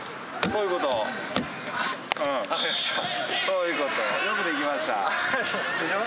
そういうこと。